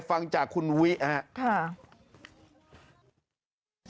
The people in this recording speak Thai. ฟังจากคุณวิครับ